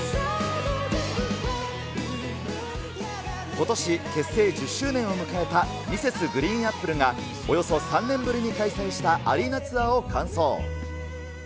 ことし結成１０周年を迎えたＭｒｓ．ＧＲＥＥＮＡＰＰＬＥが、およそ３年ぶりに開催したアリーナツアーを完走。